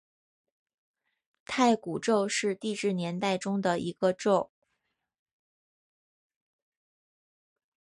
太古宙是地质年代中的一个宙。